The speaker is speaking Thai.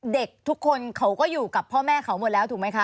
เด็กทุกคนเขาก็อยู่กับพ่อแม่เขาหมดแล้วถูกไหมคะ